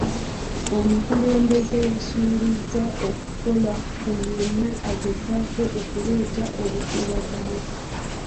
Omukulembeze yasuubiza okukola ku yenna agezaako okuleeta obukuubagano.